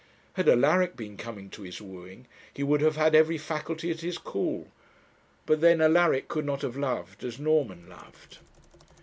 Had Alaric been coming to his wooing, he would have had every faculty at his call. But then Alaric could not have loved as Norman loved.